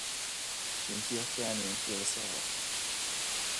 Is í an chiall cheannaigh an chiall is fearr.